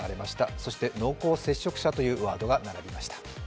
そして濃厚接触者というワードが並びました。